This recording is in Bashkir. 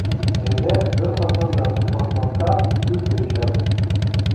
Әйҙә бер ҡасан да ташлашмаҫҡа һүҙ бирешәбеҙ!